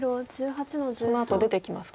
このあと出てきますか？